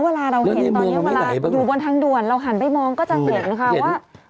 เวลาเราเห็นตอนนี้เวลาอยู่บนทางด่วนเราหันไปมองก็จะเห็นค่ะว่า